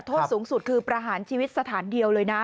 โทษสูงสุดคือประหารชีวิตสถานเดียวเลยนะ